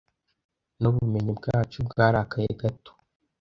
nubumenyi bwacu bwarakaye gato